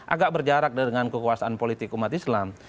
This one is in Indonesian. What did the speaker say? agak berjarak dengan kekuasaan politik umat islam